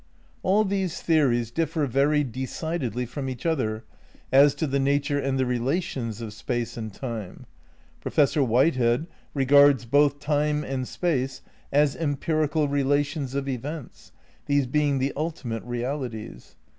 All these theories differ very decidedly from each other as to the nature and the relations of Space and Time. Professor Whitehead regards both Time and Space as empirical relations of events, these being the ultimate realities.